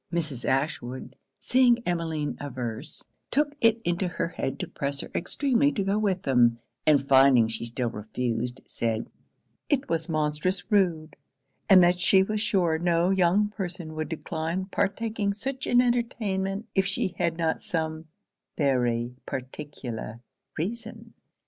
Mrs. Ashwood, seeing Emmeline averse, took it into her head to press her extremely to go with them; and finding she still refused, said 'it was monstrous rude, and that she was sure no young person would decline partaking such an entertainment if she had not some very particular reason.'